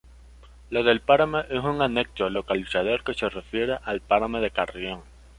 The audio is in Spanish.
Lo del Páramo es un anexo localizador que se refiere al páramo de Carrión.